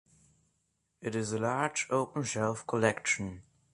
It is a large "open shelf" collection.